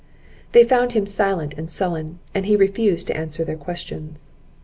They found him silent and sullen, and he refused to answer their questions.